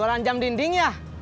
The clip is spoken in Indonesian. jualan jam dinding ya